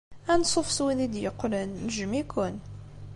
Anṣuf s wid d-yeqqlen. Nejjem-iken.